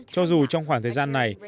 cho dù trong khoảng thời gian này